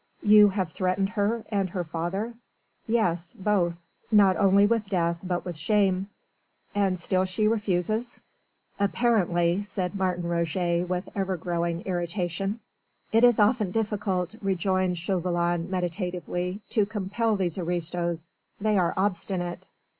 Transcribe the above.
"You have threatened her and her father?" "Yes both. Not only with death but with shame." "And still she refuses?" "Apparently," said Martin Roget with ever growing irritation. "It is often difficult," rejoined Chauvelin meditatively, "to compel these aristos. They are obstinate...."